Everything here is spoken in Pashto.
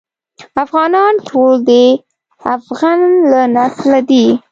افغانان ټول د افغنه له نسله دي.